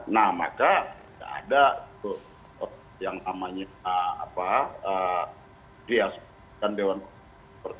nah maka tidak ada yang namanya krias dan dewan kolonel